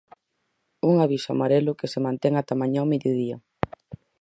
Un aviso amarelo que se mantén ata mañá ao mediodía.